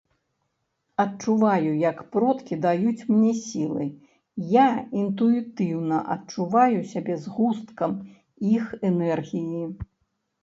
Адчуваю як продкі даюць мне сілы, я інтуітыўна адчуваю сябе згусткам іх энергіі.